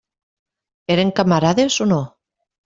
Eren camarades o no?